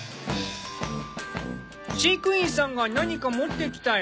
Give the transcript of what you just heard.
飼育員さんが何か持ってきたよ。